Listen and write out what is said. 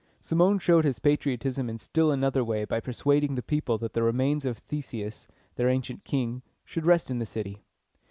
Cimon showed his patriotism in still another way by persuading the people that the remains of Theseus, their ancient king, should rest in the city.